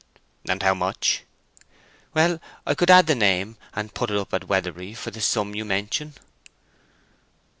"And how much?" "Well, I could add the name, and put it up at Weatherbury for the sum you mention."